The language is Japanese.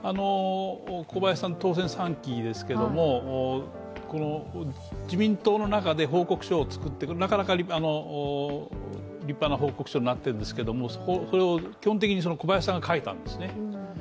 小林さん、当選３期ですけども自民党の中で報告書を作ってなかなか立派な報告書になってるんですけどそれは基本的に小林さんが書いたんですね。